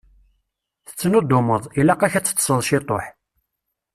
Tettnuddumeḍ, ilaq-ak ad teṭṭseḍ ciṭuḥ.